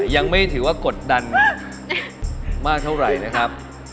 ยังไม่ถือว่ากดดันมากเท่าไหร่นะครับ